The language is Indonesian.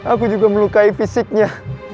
aku juga melukai fisiknya